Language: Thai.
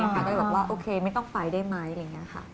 ก็จะบอกว่าโอเคไม่ต้องไปได้ไหม